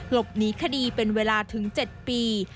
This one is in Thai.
หลบหนีคดีเป็นเวลาถึง๗ปี